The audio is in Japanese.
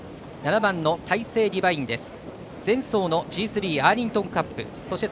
７番のタイセイディバインです。